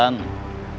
dan kita bisa berubah